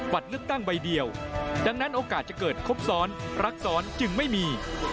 บัตรเลือกตั้งใบเดียวดังนั้นโอกาสจะเกิดครบซ้อนรักซ้อนจึงไม่มี